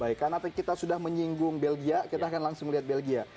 baik karena kita sudah menyinggung belgia kita akan langsung lihat belgia